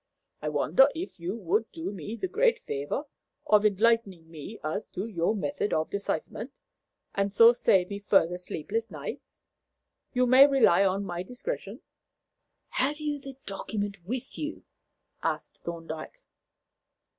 I wonder if you would do me the great favour of enlightening me as to your method of decipherment, and so save me further sleepless nights? You may rely on my discretion." "Have you the document with you?" asked Thorndyke.